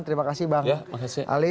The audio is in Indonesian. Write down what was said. terima kasih bang ali